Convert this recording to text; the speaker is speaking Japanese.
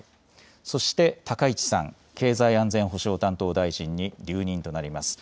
そして高市さん、経済安全保障担当大臣に留任となります。